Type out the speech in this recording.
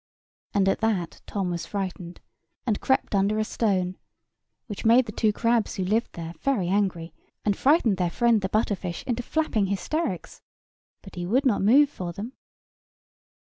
And at that Tom was frightened, and crept under a stone; which made the two crabs who lived there very angry, and frightened their friend the butter fish into flapping hysterics: but he would not move for them.